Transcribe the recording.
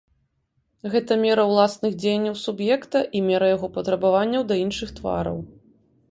Гэта мера ўласных дзеянняў суб'екта і мера яго патрабаванняў да іншых твараў.